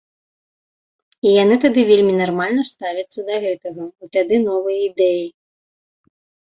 І яны тады вельмі нармальна ставяцца да гэтага, і тады новыя ідэі.